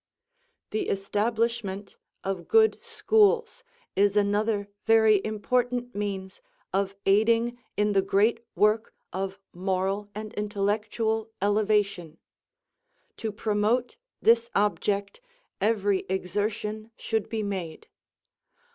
The establishment of good schools is another very important means of aiding in the great work of moral and intellectual elevation; to promote this object every exertion should be made.